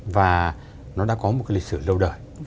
và nó đã có một lịch sử lâu đời